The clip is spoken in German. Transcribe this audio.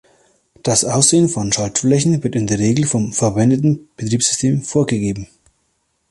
Das Aussehen von Schaltflächen wird in der Regel vom verwendeten Betriebssystem vorgegeben.